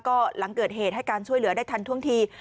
ก็หลังเกิดเหตุให้การช่วยเหลือได้ทันท่วงที